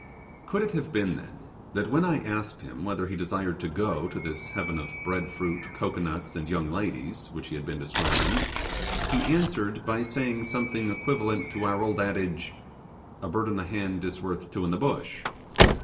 Could it have been then, that when I asked him whether he desired to go to this heaven of bread fruit, cocoanuts, and young ladies, which he had been describing, he answered by saying something equivalent to our old adage 'A bird in the hand is worth two in the bush'?